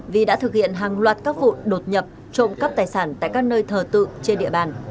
vì đã thực hiện hàng loạt các vụ đột nhập trộm cắp tài sản tại các nơi thờ tự trên địa bàn